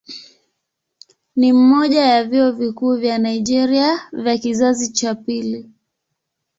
Ni mmoja ya vyuo vikuu vya Nigeria vya kizazi cha pili.